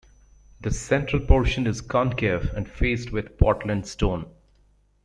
The central portion is concave and faced with Portland stone.